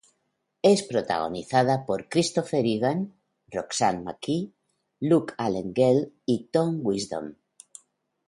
Es protagonizada por Christopher Egan, Roxanne McKee, Luke Allen-Gale y Tom Wisdom.